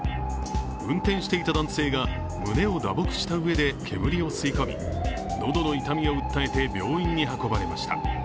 運転していた男性が胸を打撲したうえで煙を吸い込み、喉の痛みを訴えて、病院に運ばれました。